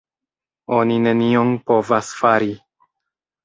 Oni nenion povas fari.